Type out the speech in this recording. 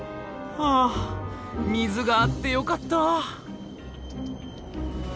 はあ水があってよかった！